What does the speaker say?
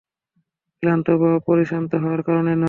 ক্লান্ত বা পরিশ্রান্ত হওয়ার কারণে নয়।